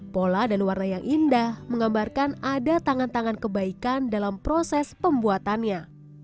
pola dan warna yang indah menggambarkan ada tangan tangan kebaikan dalam proses pembuatannya